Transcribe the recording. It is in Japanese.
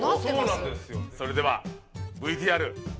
それではＶＴＲ。